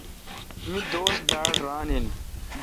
مہ دوست باڑ ران این۔